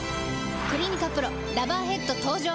「クリニカＰＲＯラバーヘッド」登場！